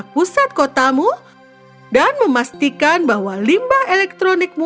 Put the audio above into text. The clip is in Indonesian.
ini satu kontrol dan mesin yang bisa kami coba cari